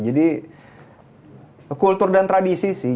jadi kultur dan tradisi sih